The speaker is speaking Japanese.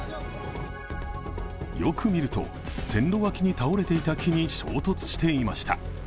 よく見ると、線路脇に倒れていた木に衝突していました。